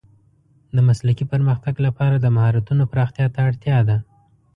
د مسلکي پرمختګ لپاره د مهارتونو پراختیا ته اړتیا ده.